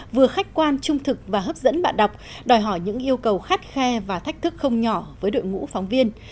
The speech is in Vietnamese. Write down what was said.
vừa khách quan trung thực và hấp dẫn bạn đọc đòi hỏi những yêu cầu khắt khe và thách thức không nhỏ với đội ngũ phóng viên